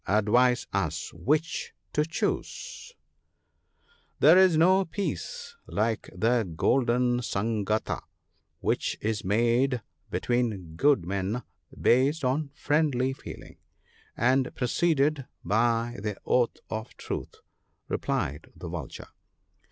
' Advise us which to choose !' 1 There is no Peace like the Golden " Sangata," which is made between good men, based on friendly feeling, and preceded by the Oath of Truth,' replied the Vulture.